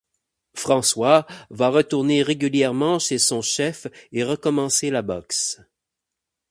François va retourner régulièrement chez son chef et recommencer la boxe.